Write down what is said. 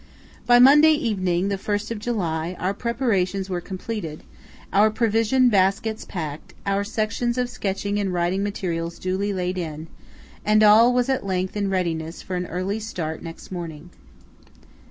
By Monday evening the 1st of July, our preparations were completed; our provision baskets packed; our stores of sketching and writing materials duly laid in; and all was at length in readiness for an early start next morning.